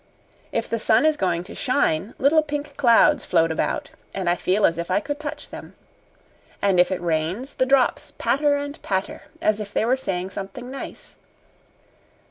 If the sun is going to shine, little pink clouds float about, and I feel as if I could touch them. And if it rains, the drops patter and patter as if they were saying something nice.